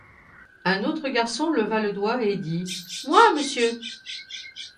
Un autre garçon leva le doigt et dit : »Moi, Monsieur !»